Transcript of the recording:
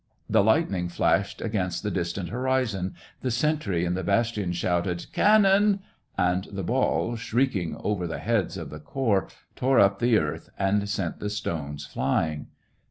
The lightning flashed against the distant horizon, the sentry in the bas tion shouted, Can non !" and the ball, shrieking over the heads of the corps, tore up the earth, and sent the stones flying.